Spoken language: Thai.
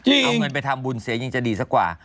เอาเงินไปทำบุญเสียยิ่งจะดีสักกว่า